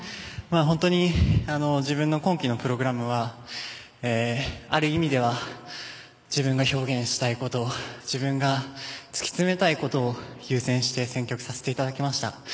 本当に自分の今季のプログラムはある意味では自分が表現したいこと自分が突き詰めたいことを優先して選曲させていただきました。